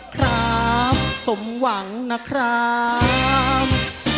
ครับสมหวังนะครับ